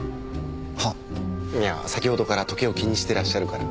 は？いや先ほどから時計を気にしてらっしゃるから。